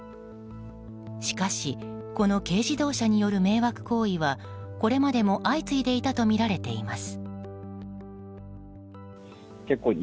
しかし、この軽自動車による迷惑行為はこれまでも相次いでいたとみられています。